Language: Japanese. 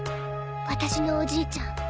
私のおじいちゃん。